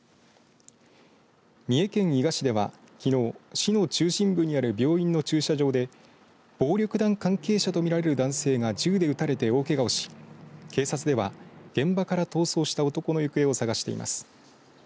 三重県伊賀市では、きのう市の中心部にある病院の駐車場で暴力団関係者とみられる男性が銃で撃たれて大けがをし警察では現場から逃走した男の行方を捜しています。